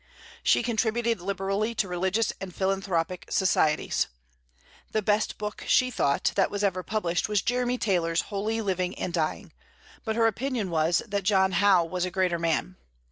She contributed liberally to religious and philanthropic societies. The best book, she thought, that was ever published was Jeremy Taylor's "Holy Living and Dying;" but her opinion was that John Howe was a greater man.